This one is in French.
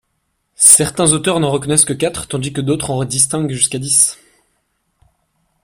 Certains auteurs n'en reconnaissent que quatre tandis que d'autres en distinguent jusqu'à dix.